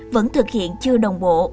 vẫn thực hiện chưa đồng bộ